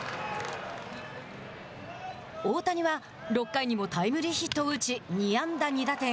大谷は６回にもタイムリーヒットを打ち２安打２打点。